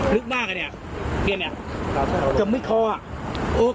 ลึกมากอ่ะเนี้ยมีอ่ะจะไม่คออ่ะอ่อ